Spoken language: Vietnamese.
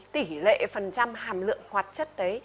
tỷ lệ phần trăm hàm lượng hoạt chất